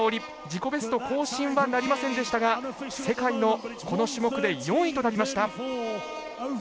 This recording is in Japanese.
自己ベスト更新はなりませんでしたが世界の、この種目で４位となりました。